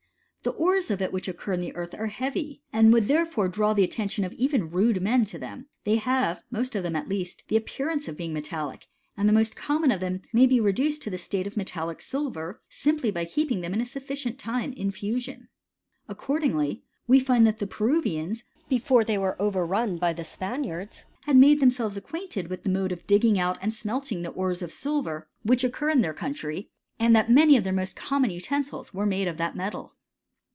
The ores of it which occur in the earth are heavy, and would therefore draw the attention of even rude men to them : they have, most of them at least, the appearance of being metallic, and the most common of them may be reduced to the state of metallic silver, simply by keeping them a sufficient time in fusion. Accordingly we find that the Peru vians, before they were overrun by the Spaniards, had made themselves acquainted with the mode of digging out and smelting the ores of silver which occur in * Genesis xlvii. 14. t For example. Exodus xi. 2— xxvi. 19, 21— xxvii. 10,11, 17, &c. 54 HISTORY OF CHSMISTKT* their country, and that many of their most common utensils were made of that metal.